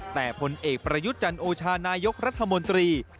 แต่ผลเอกประยุทธ์จันโอชานายกรัฐมนตรี